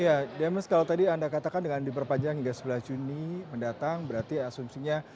ya demes kalau tadi anda katakan dengan diperpanjang hingga sebelas juni mendatang berarti asumsinya